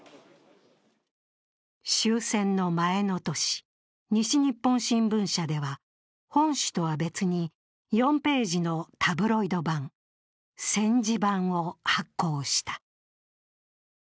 終戦の前の年、西日本新聞社では４ページのタブロイド判「戦時版」を発行した。